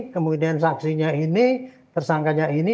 kemudian saksinya ini tersangkanya ini